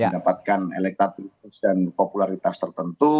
dapatkan elektatif dan popularitas tertentu